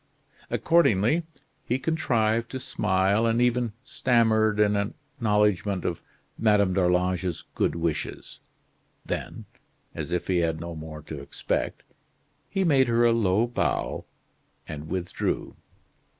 Accordingly, he contrived to smile, and even stammered an acknowledgment of Madame d'Arlange's good wishes. Then, as if he had no more to expect, he made her a low bow and withdrew.